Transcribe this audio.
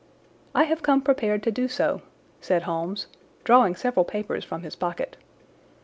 "I have come prepared to do so," said Holmes, drawing several papers from his pocket.